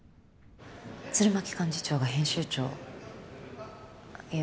鶴巻幹事長が編集長いえ